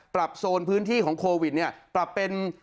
โซนพื้นที่ของโควิดเนี่ยปรับเป็น